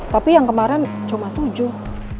tapi yang kemarin cuma tujuh